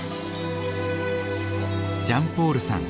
ジャンポールさん。